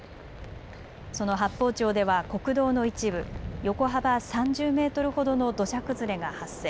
その八峰町では国道の一部、横幅３０メートルほどの土砂崩れが発生。